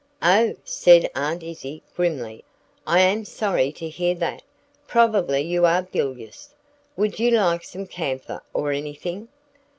"Oh," said Aunt Izzie, grimly, "I am sorry to hear that. Probably you are bilious. Would you like some camphor or anything?"